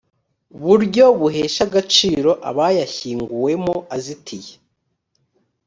buryo buhesha agaciro abayashyinguwemo azitiye